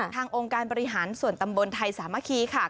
องค์การบริหารส่วนตำบลไทยสามัคคีค่ะ